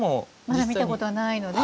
まだ見たことはないので。